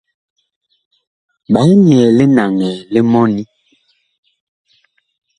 Ɓaa nyɛɛ linaŋɛ li mɔni.